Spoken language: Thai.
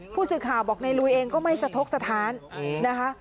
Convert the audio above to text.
ผู้สื่อข่าวบอกในลุยเองก็ไม่สะทกสถานนะคะ